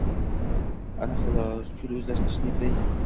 Ana, xolos! Cho‘l o‘zlashtirishni eplay